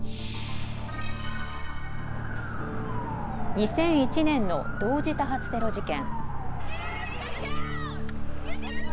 ２００１年の同時多発テロ事件。